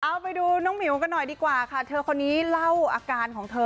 เอาไปดูน้องหมิวกันหน่อยดีกว่าค่ะเธอคนนี้เล่าอาการของเธอ